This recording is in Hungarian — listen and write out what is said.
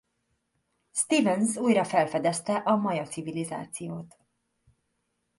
Stephens újra felfedezte a maja civilizációt.